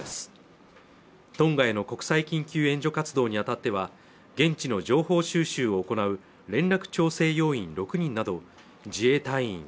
トンガへの国際緊急援助活動にあたっては現地の情報収集を行う連絡調整要員６人など自衛隊員